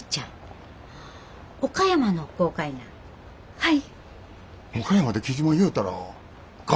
はい。